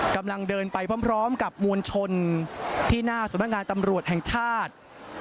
กำลังเดินไปพร้อมกับมวลชนที่หน้าสำนักงานตำรวจแห่งชาติ